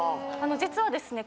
実はですね